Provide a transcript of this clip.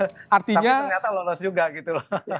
tapi ternyata lolos juga gitu loh